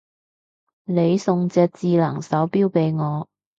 你送隻智能手錶俾我